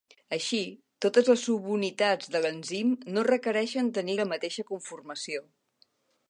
Així, totes les subunitats de l'enzim no requereixen tenir la mateixa conformació.